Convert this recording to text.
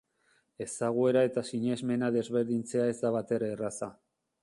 Ezaguera eta sinesmena desberdintzea ez da batere erraza.